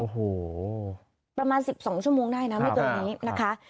โอ้โหประมาณสิบสองชั่วโมงได้นะในตัวนี้นะคะ